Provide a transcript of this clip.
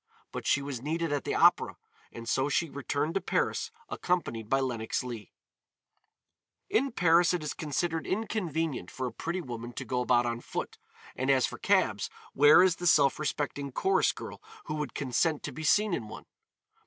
But she was needed at the Opéra and so she returned to Paris accompanied by Lenox Leigh. In Paris it is considered inconvenient for a pretty woman to go about on foot, and as for cabs, where is the self respecting chorus girl who would consent to be seen in one?